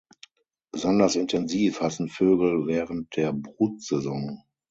Besonders intensiv hassen Vögel während der Brutsaison.